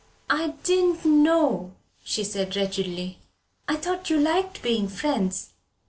"I didn't know," she said wretchedly. "I thought you liked being friends."